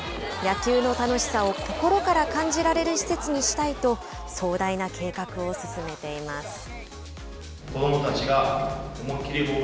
野球の楽しさを心から感じられる施設にしたいと壮大な計画を進めています。